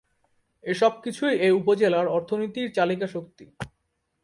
এসব কিছুই এ উপজেলার অর্থনীতির চালিকা শক্তি।